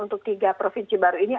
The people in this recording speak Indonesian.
untuk tiga provinsi baru ini